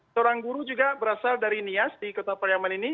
seorang guru juga berasal dari nias di kota pariaman ini